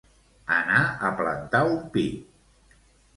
Anar a plantar un pi